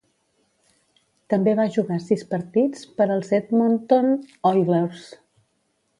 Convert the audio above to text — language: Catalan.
També va jugar sis partits per als Edmonton Oilers.